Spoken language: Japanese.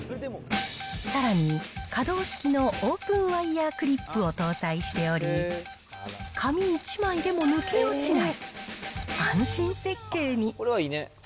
さらに、可動式のオープンワイヤークリップを搭載しており、紙１枚でも抜け落ちない安心設計に。